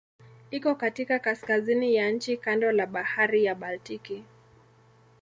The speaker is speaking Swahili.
Iko katika kaskazini ya nchi kando la Bahari ya Baltiki.